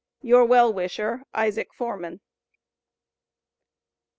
Your well wisher, ISAAC FORMAN.